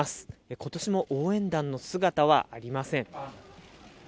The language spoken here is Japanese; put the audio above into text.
今年も応援団の姿はありません。